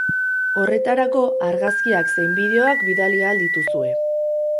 Horretarako, argazkiak zein bideoak bidali ahal dituzue.